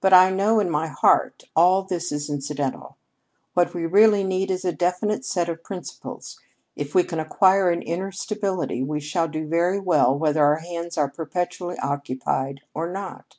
But I know in my heart all this is incidental. What we really need is a definite set of principles; if we can acquire an inner stability, we shall do very well whether our hands are perpetually occupied or not.